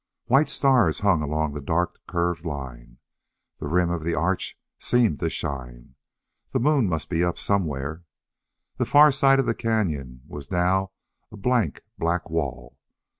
White stars hung along the dark curved line. The rim of the arch seemed to shine. The moon must be up there somewhere. The far side of the cañon was now a blank, black wall.